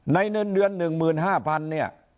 ในเดือนหนึ่งหมื่นห้าพัน